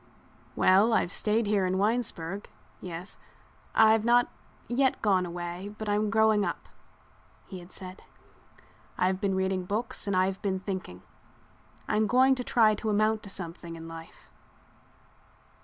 "Well, I've stayed here in Winesburg—yes—I've not yet gone away but I'm growing up," he had said. "I've been reading books and I've been thinking. I'm going to try to amount to something in life.